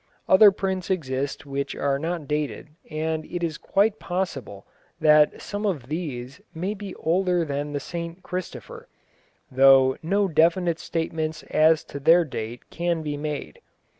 Other prints exist which are not dated, and it is quite possible that some of these may be older than the St Christopher, though no definite statements as to their date can be made.